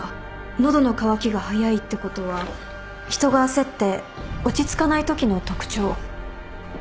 喉の渇きが早いってことは人が焦って落ち着かないときの特徴。